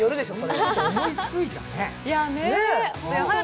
よく思いついたね。